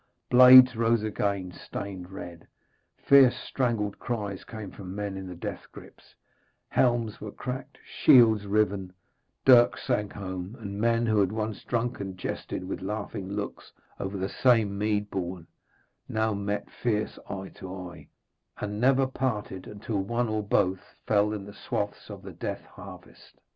Blades rose again, stained red, fierce strangled cries came from men in the death grips, helms were cracked, shields riven, dirks sank home, and men who once had drunk and jested with laughing looks over the same mead board, now met fierce eye to eye, and never parted until one or both fell in the swaths of the death harvest.